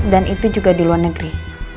dan itu juga di luar negeri